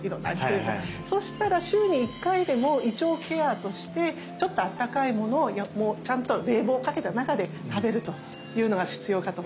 そうしたら週に１回でも胃腸ケアとしてちょっとあったかいものをちゃんと冷房かけた中で食べるというのが必要かと思います。